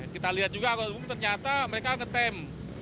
kita lihat juga ternyata mereka ketem